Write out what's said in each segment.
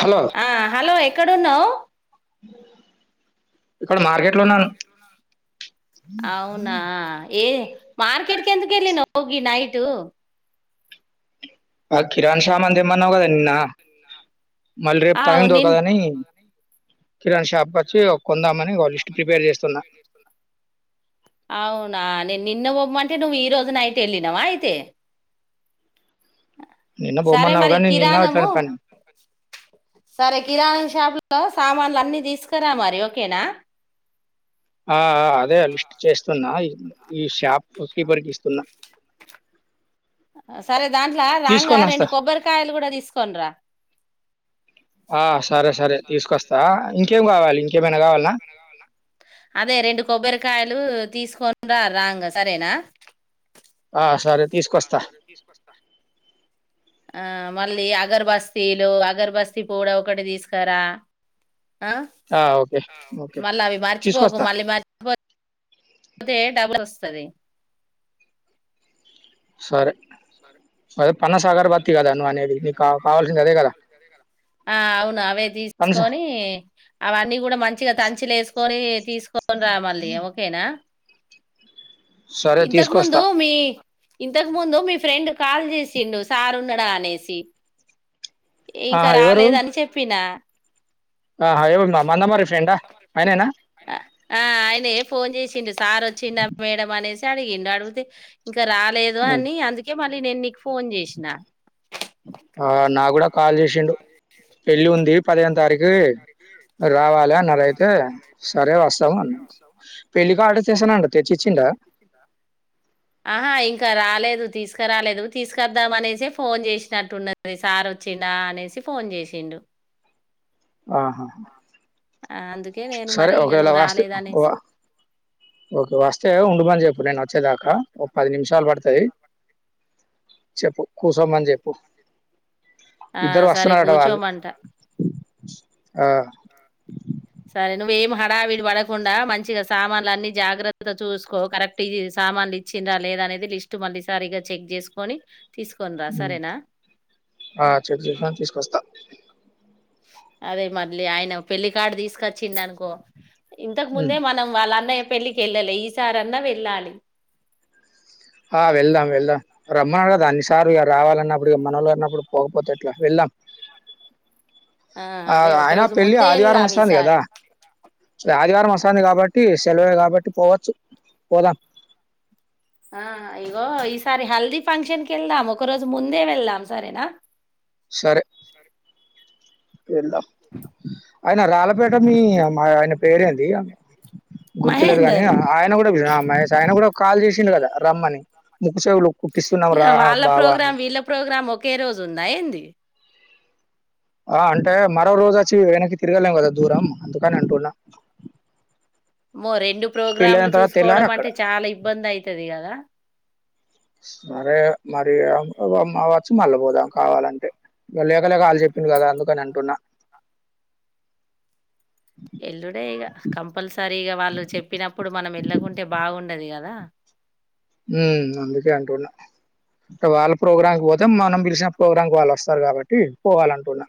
Hello ఆ hello ఎక్కడున్నావ్ అ అవునా ఏ మార్కెట్ ఎందుకు వెళ్లినావ్ గీ నైట్ కిరానా సామాను తెమ్మన్నావు కదా నిన్న మళ్ళ రేపు అవు టైమ్ నిన్ దొరకదు అని కిరానా షాపు అవునా నేను నిన్న పొమ్మంటే అంటే నువ్వు ఈ రోజు నైట్ వెళ్ళినవా అయితే నిన్న సరే బొమ్మన్నావు మరి కానీ నిన్న కిరాణము ఇట్లాంటి పని సరే కిరాణం షాపులు సామాన్లు అన్ని తీసుకురా మరి ఓకేనా ఆ అదే లిస్ట్ చేస్తున్నా ఈ షాప్ కీపర్కి ఇస్తున్నా సరే దాంట్లో రాంగా తీసుకొని వస్తా రెండు కొబ్బరికాయలు కూడా తీసుకోని రా ఆ సరే సరే తీసుకొస్తా ఇంకేం కావాలి ఇంకేమైనా కావాలనా అదే రెండు కొబ్బరికాయలు తీసుకొని రా రాంగ సరేనా ఆ సరే తీసుకొస్తా ఆ మళ్ళీ అగర్బస్తీలు అగర్బస్తీ పూడ ఒకటి తీసుకరా ఆ ఆ ఓకే ఓకే మళ్ళీ అవి మరిచిపోకు తీసుకొస్తా మళ్ళీ మరిచిపో పోతే డబుల్ వస్తది సరే సరే అదే పన్న సాగర్ బత్తి కదా నువ్వు అనేది నీకు కావాల్సింది అదే కదా ఆ అవును అవే పనస తీసుకొని అవన్నీ గుడా మంచిగా తంచిల వేసుకొని తీసుకొని రా మళ్ళీ ఓకేనా సరే ఇంతకు ముందు తీసుకొస్తా మీ ఇంతకు ముందు మీ ఫ్రెండ్ కాల్ చేసిండు సార్ ఉన్నాడా అనేసి ఇంకా ఆహా ఎవరు రాలేద్ అని చెప్పిన ఆహా! ఎవరు మ మందమర్రి ఫ్రెండా? ఆయనేనా? ఆ ఆయన ఫోన్ చేసిండు సార్ వచ్చిండ మేడం అనేసి తడిగిండు అడుగుతే ఇగ రాలేదు హ్మ్. అని అందుకే మళ్లీ నేను నీకు ఫోన్ చేసిన నా కూడా కాల్ చేసిండు పెళ్ళి ఉంది పదిహేను తారీఖు రావాలా అన్నదైతే సరే వస్తాము అన్నా పెళ్ళి కార్డు చేశాడంట తెచ్చి ఇచ్చిండా లేదు తీసుకురాలేదు తీసుకద్దాం అనేసి ఫోన్ చేసినట్టున్నారు ఇస్ సార్ వచ్చిడా అనేసి ఫోన్ చేసిండు ఆహా ఆ అందు సరే ఒక వేల వస్తే ఓకువ ఓకే వస్తే ఉండు ఉ అని చెప్పు నేను వచ్చేదాకా ఒక పది నిమిషాలు పడుతది చెప్పు కూసోమని చెప్పు ఆ సరే కూర్చోమంట ఆ సరే నువ్ ఏం హడావిడి వడకుండా మంచిగా సామాన్లు అన్ని జాగ్రత్తగా చూసుకో కరెక్ట్ ఇ సామాన్లు ఇచ్చిన్ రా లేదా అనేది లిస్ట్ మళ్ళీ సారిగా చెక్ చేసుకొని తీసుకొని రా సరేనా ఆ చెక్ చేసాను తీసుకొస్తా అదే మళ్ళీ ఆయన పెళ్లికార్డు తీసుకచ్చింది అనుకో ఇంతకు హ్మ్. ముందే మనం వాళ్ళ అన్నయం పెళ్ళికి వెళ్ళాలే ఈసారి అన్నా వెళ్ళాలి ఆ వెళ్దాం వెళ్దాం రమ్మన్నారు గదా అన్నిసార్ ఇగ రావాలన్నప్పుడు ఇగ మనోళ్ళన్నప్పుడు పోకపోతే ఎట్లా వెళ్దాం ఆ అదే ఒక ఆయన రోజు పెళ్లి ముందే ఆదివారం వెళ్దాం వస్తాంది ఈసారి గదా ఆదివారం వస్తాంది కాబట్టి సెలవే కాబట్టి పోవచ్చు పోదం ఆ ఇగో ఈసారి హల్దీ ఫంక్షన్ కి వెళ్దాం ఒక రోజు ముందే వెళ్ళాం సరేనా సరే వెళ్దాం ఆయన రాళ్లపేట మీ మా ఆయన పేరేన్ ఇయ్య గుర్తులేదు గాని మహేందర్ ఆయన గుడా విజయ మహేష్ ఆయన గూడం కాల్ చేసిండు గదా రమ్మని ముక్కుచేవులు ఇగ వాళ్ళ ప్రోగ్రామ్ వీళ్ళ ప్రోగ్రామ్ ఒకే రోజు ఉందా ఏంది ఆ అంటే మరో రోజు వచ్చి వెనక్కి తిరిగలేమ్ గదా దూరం అందుకనే అంటున్న మో రెండు ప్రోగ్రామ్లు తెల్లారి చూసుకోవడం అక్కడ. అంటే చాలా ఇబ్బంది అయితది గదా సరే మరి, ఆ వచ్చి మళ్ళీ పోదాం కావాలంటే, లేక లేక ఆళ్ళు చెప్పింర్రు కదా అందుకని అంటున్నా. ఎల్లుడే ఇగ, కంపల్సరీగా వాళ్ళు చెప్పినప్పుడు మనం వెళ్ళకుంటే బాగుండది కదా. మ్మ్ అందుకే అంటున్నా, ఇంక వాళ్ళ ప్రోగ్రాంకి పోత్ మనం పిల్సిన ప్రోగ్రామ్కు వాళ్ళు ఒస్తరు కాబట్టి. కి పోవాలంటున్నా.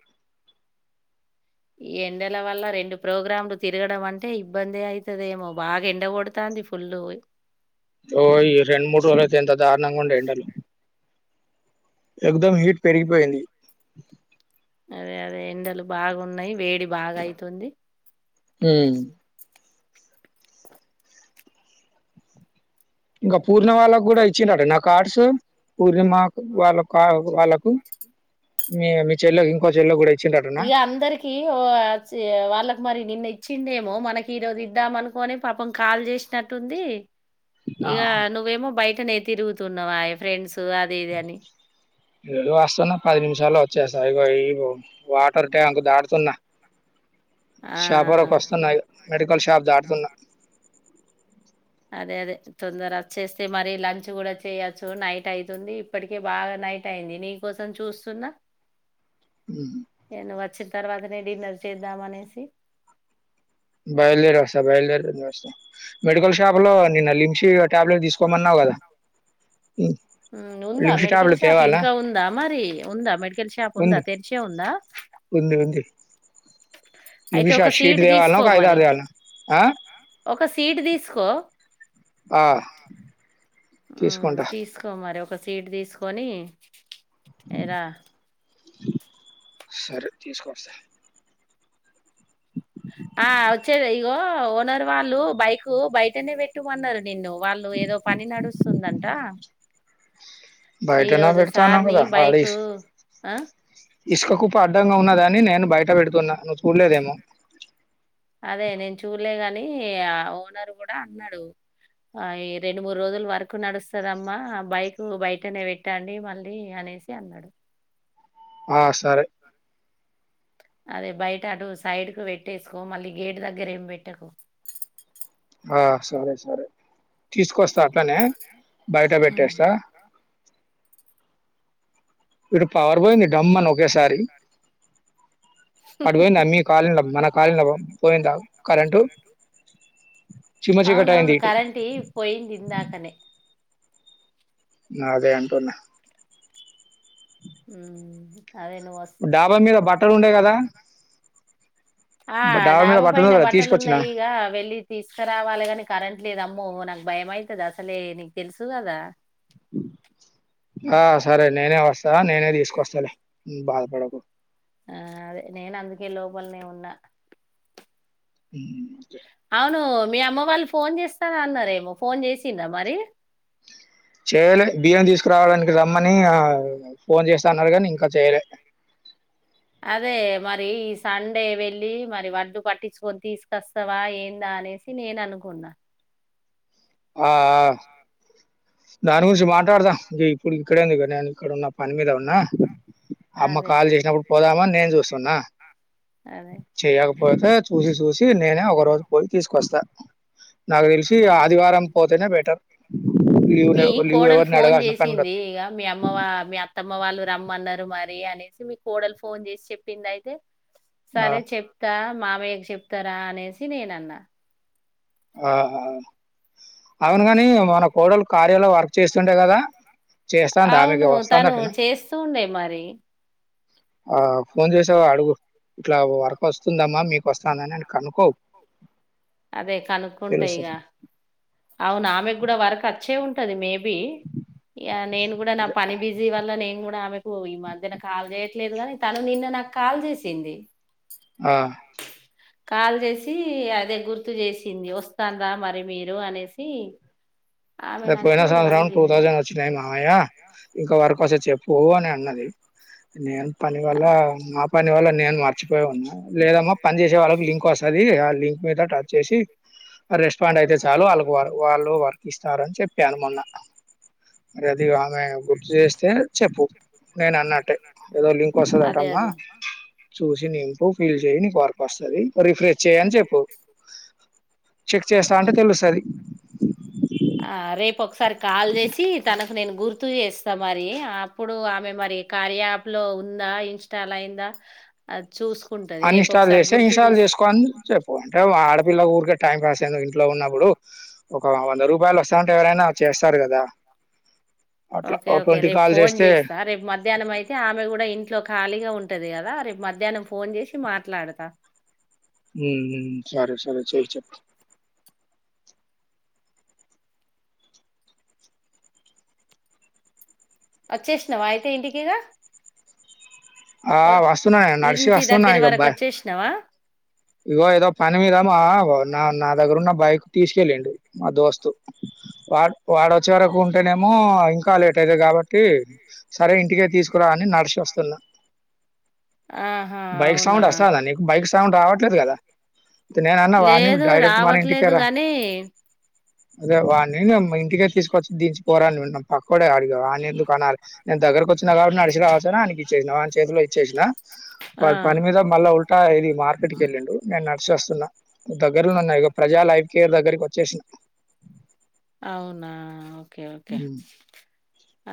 ఈ ఎండల వల్ల రెండు ప్రోగ్రాంలు తిరగడం అంటే ఇబ్బంది అయితదేమో, బాగా ఎండ కొడతాంది ఫుల్లుపోయి. ఓ, ఈ రెండుమూడు రోజులయితే ఎంత త్ దారుణంగ ఉండే ఎండలు. ఏక్ దమ్ హీట్ పెరిగిపోయింది అదే అదే ఎండలు బాగున్నాయి వేడి బాగా అయితుంది ఉ ఇంకా పూర్ణ వాళ్ళకు గుడా ఇచ్చిరంటన నా కార్డ్స్ పూర్ణిమకు వాళ్ళకు క వాళ్ళకు మీ చెల్లా కు ఇంకో చెల్లా కు గూడ ఇగ అందరికిీ, ఓ చే వాళ్ళకు మరి నిన్న ఇచ్ చ్చిండేమో మనకి ఈరోజు ఇద్దాం అనుకోని, పాపం కాల్ చేసినట్టుంది. ఇగా, ఆహా. నువ్వేమో బయటనే ఎత్ తిరుగుతున్నవాయే ఫ్రెండ్స్ తి త్ అదీ ఇది అని. ఇగో అస్తున్నా, పది నిమిషాల్లో వచ్చేస్తా. ఇగో ఈ వాటర్ ట్యాంక్ దాడుతున్నా. ఆ షాప్ వరకు వస్తున్నా ఇగ. మెడికల్ షాప్ దాటుతున్నా. అదే అదే తొందర అచ్చేస్తే, మరి లంచ్ కూడా చేయొచ్చు నైట్ అయితుంది. ఇప్పటికే బాగా నైట్ అయింది, నీ కోసం చూస్తున్నా. ఉమ్. ఇగ నువచ్చిం త్ తర్వాతనే డిన్నర్ చేద్దాం అనేసి. బయల్దేరోస్తా బయల్దేరినొస్తా. మెడికల్ షాప్ లో, నిన్న లింసి కట్ టాబ్లెట్ తీసుకోమన్నావు కదా. ఉమ్ ఉందా, లిమ్షి మెడికల్ టాబ్లెట్ షాప్ తేవాలా ఇంకా ఉందా మరి? ఉందా మెడిక్ కల్ షాప్ ఉందా, ఉంది తెరిచే ఉందా? ఉంది ఉంది అయితే లిమిషా ఒక షీట్ సీటు తేవాలనా తీసుకో ఒక ఐదారు మరి తేవాలనా ఆ ఒక సీటు తీసుకో ఆ ఉ తీసుకుంటా తీసుకోమరి ఒక సీటు తీసుకొని ఎరా సరే, తీసుకోస్తా. ఆ వచ్చేదే ఇగో ఓనర్ వాళ్ళు బైకు బైటనే పెట్టుమన్నారు నిన్ను వాళ్ళు ఏదో పని నడుస్తుందంట బయటనా ఈరోజు సార్ పెడతాన్నాం ని కదా బైకు ఆడేసి ఆ ఇసుక కుప్ప అడ్డంగా ఉన్నదని నేను బయట పెడుతున్నా నువ్వు చూడలేదేమో అదే నేను చూడలే గాని ఓనర్ కూడా అన్నాడు ఆ ఈ రెండు మూడు రోజులు వర్క్ నడుస్తదమ్మా బైక్ బయటనే పెట్టండి మళ్ళీ అనేసి అన్నాడు ఆ సరే అదే బయట అటు సైడ్ కు పెట్టేసుకో మళ్ళీ గేటు దగ్గర ఏమి పెట్టకు ఆ సరే సరే తీసుకొస్తా అట్లనే బయట హ్మ్. పెట్టేస్తా ఇటు పవర్ పోయింది డమ్ అని ఒకేసారి అటు పోయింది అన్ని కాలనీ మన కాలనీ లా పోయిందా కరెంటు చిమ్మ చీకటి అయింది అవునవును ఇటు కరెంట్ పోయింది ఇందాకనే అదే అంటూన్న హ్మ్. అదే నువ్వు వస్త డాబా మీద బట్టలు ఉండే కదా ఆ బ- మీద డాబా పైన ఉండే కదా బట్టలు తీసుకొచ్చిన ఉన్నాయి ఇగ వెళ్ళి తీసుకురావాలి కాని కరెంట్ లేదు అమ్ మోళనాకు భయంమైతది అసలే నీకు తెలుసు కదా ఆ సరే నేనే వస్ తవా నేనే తీసుకొస్తాలే ఉమ్మ్ బాధపడకు ఆ అదే నేను అందుకే లోపలనే ఉన్నా ఊ చే అవును మీ అమ్మ వాళ్ళు ఫోన్ చేస్తార అన్నారేమో ఫోన్ చేసిందా మరి చేలే బియ్యం తీసుకురావడానికి రా మ్మని ఆ ఫోన్ చేస్తా అన్నారు కాని ఇంకా చేయలే అదే మరి ఈ సండే వెళ్ళి మరి వడ్డు పట్టిచుకొని తీసుకొస్తావా ఏందా అనేసి నేను అనుకున్నా. ఆ దానిగుంచి మా దాడదా ఇంగెపుడి గి ఇక్కడ నినే అక్కడ పని మీద ఉన్నా అమ్మ అదే కాల్ చేసినప్పుడు పోదామాని నేను చూస్తున్నా అదే చేయకపోతే చూసి చూసి నేనే ఒకరోజు పోయి తీసుకొస్తాను నాకు తెలిసి ఆదివారం పోతేనే బెటర్. మీ లీవ్‌ని లీవ్ కోడల్ ఎవరిని ఫోన్ అడగాల్సిన పనుండదు. చేసింది ఇగ మీ అమ్మ వా మీ అత్తమ్మ వాళ్ళు రమ్మన్నర్. మరి అనేసి మీ కోడల్ ఫోన్ చేసి చెప్పింది ఐతే ఆ! సరే చెప్తా మామయ్యకు చెప్త రా, అనేసి నేనన్నా. ఆ హా చేస్తుండే గదా! చేస్తాందా? ఆమెకి అవును, తను వస్తాందటనా? చేస్తూ ఉండే మరి. ఆ ఫోన్ చేసావ అడుగు. ఇట్లా వర్క్ వస్తుందమ్మా, మీకు వస్తాందా అని కనుక్కో. అదే కనుక్కుంటా ఇగ. తెలుస్తది అవును ఆమె కూడా వరకు వచ్చే ఉంటా అది మేబ నేను కూడా నా అదే పని బిజీ వల్ల నేను కూడా ఆమెకు ఈ మధ్యన కాల్ చేయట్లేదు కాగాని తను నిన్న నాకు కాల్ చేసింది ఆ కాల్ చేసి అదే గుర్తు చేసింది వస్తాను రాా మరి మీరు అనే సి పోయిన సంవత్సరం టూ తౌసండ్ ఒచ్చినయ్ నాక్ మావయ్య, ఇంక వర్క్ ఒస్తే చెప్పూ అని అన్నది. నేన్ పని వల్లా నాప్ పని వల్ల నేను మర్చిపోయి ఉన్నా లేదమ్మా పనిచేసే వాళ్ళ లిక్ వస్తుంది ఆ లింక్ మీద టచ్ చేసి రెస్ట్ ఫండ్ అయితే చాలు వాళ్ళకుారు వాళ్ళు వర్క్ ఇస్త కర్న్ చెప్పాను మొన్న మ అది ఆమె గుర్తు చేస్తే చెప్పు నేను అన్నట్టే ఏదో లింక్ అదే వస్తుందటమ్మా అదే చూసింపు ఫీల్ చే నీ వకు వస్తుంది రిఫ్రెష్ చేని చెప్పు చె చెక్తే సాధ వవసాయ ఆ రేపు ఒకసారి కాల్ చేసి తనకు నేను గుర్తు చేస్తా మరి అప్పుడు ఆమె మరి కారయాప్ లో ఉందా ఇన్స్టల్ అయిందా చూసుకుంటది అన్ రేపు ఇన్స్టాల్ ఒకసారి చేస్తే గుర్తు ఇన్స్టాల్ చేస్త చేసుకోని చెప్పు అంటే ఆడపిల్ల కూ టైం పాస్ అయింది ఇంట్లో ఉన్నప్పుడు ఒక వంద రూపాయలు వస్తాంటే ఎవరైనా చేస్తారు కదా అట్లా ఓకే ఓ ఓకే ట్వంటీ రేపు కాల్ ఫోన్ చేస్తే చేస్తా రేపు మధ్యాహ్నం అయితే ఆమె కూడా ఇంట్లో ఖాళీగా ఉంటది కదా రేపు మధ్యాహ్నం ఫోన్ చేసి మాట్లాడతా ఉమ్ సరే సరే చెయ్ చెయ్ వచ్చేసినావా అయితే ఇంటికిగా ఆ ఓ- వాస్తుూన్నా నర్సి ఇంటి వస్తన్నా దగ్గర వరకు గబ్బా వచ్చేసినావా ఇ ఏదో పనిమిదమా నా దగ్గర ఉన్న బైక్ తీసుకెళ్ళండి మా దోస్తు వా వాడ వచ్చే వరకు ఉంటేనేమో ఇంకా కా లేట్ అయిది కాబట్టి సరే ఇంటికే తీసుకురాాలని నడిసి వస్తున్నా ఆహా బైక్ అవునా సౌండ్ వస్తుంద నీకు బైక్ సౌండ్ రావట్టి దు కదా నేన అన్నా వాని లేదు డైరెక్ట్ మన రావట్లేదు ఇంటికరా గాని అదే వాడి ఇంటికే తీసుకొచ్చ దించి పోరాను పక్కడే అడిగా వాని ఎకు కొనాలి నేను దగ్గరకి వచ్చి కాబటి నడిసి కావసా అనికి ఇచ్చేసా చేతిలో ఇచ్చేసిన ప పని ఆహా మీద మలా ఉల్ కా ఏది మ ఇక్కడికి వెళ్ళిండు నేను నడిసోస్తున్న దగ్గరన్న ఇక ప్రజా లైఫ్ కేర్ దగ్గరికి వచ్చేసినా అవునా ఓకే ఓకే ఉమ్.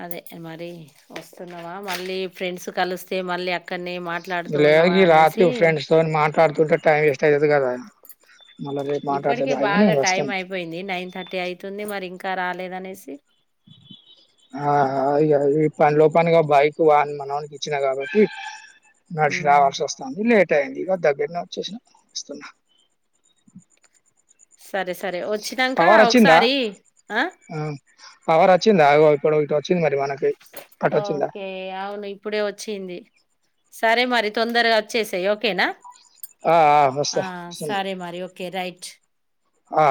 అదే మరి వస్తున్నావా మళ్ళీ ఫ్రెండ్స్ కలిస్తే మళ్ళీ అక్కడనే మాట్లాడుతూ లేదు ఉన్నావా ఈ అనేసి రాత్రి ఫ్రెండ్స్ తోని మాట్లాడుతుంటే టైమ్ వేస్ట్ అయధు కదా మళ్ళీ రేపు మాట్లాడితే ఇప్పటికే బాగా నేను టైం వస్తాను అయిపోయింది నైన్ థర్టీ అయితుంది మరి ఇంకా రాలేదనే సే ఆ అ ఇక పని లో పనికిగా బైక్ వాన్ మనవానికి ఇచ్చినా కాబట్టి నషరా ఉమ్. వల్ స వస్తాంది లేట్ అయింది ఇగ దగ్గర్నే చూసిన ఇస్తున్నా సరే సరే వాచ్ వచ్చినాక ఒకసారి ఆ పవర్ వచ్చిందా ఇప్పుడు ఇంకా ఓకే అవును ఇప్పుడే వచ్చింది సరే మరి తొందరగా వచ్చేసాయి ఓకేనా ఆ, వస్తా ఆ వస్తున్నా సరే మరి ఓకే రైట్ ఆ